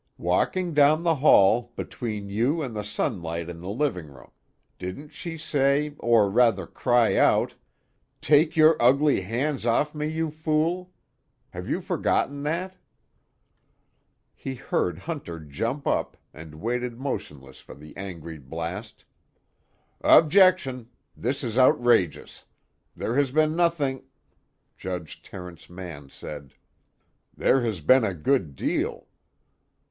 "Walking down the hall, between you and the sunlight in the living room. Didn't she say, or rather cry out: 'Take your ugly hands off me, you fool!' have you forgotten that?" He heard Hunter jump up, and waited motionless for the angry blast: "Objection! This is outrageous. There has been nothing " Judge Terence Mann said: "There has been a good deal."